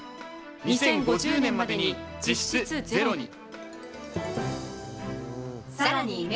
２０５０年までに実質ゼロに。